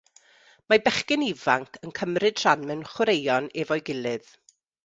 Mae bechgyn ifanc yn cymryd rhan mewn chwaraeon efo'i gilydd.